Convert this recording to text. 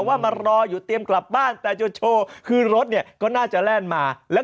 ใครที่ชอบสายตื้ดพาไปดูหน่อย